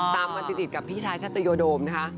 มาติดกับพี่ชายชัตยโดมนะคะ